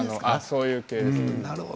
そういう系のやつです。